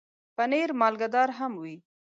پنېر مالګهدار هم وي.